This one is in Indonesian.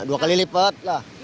dua kali lipat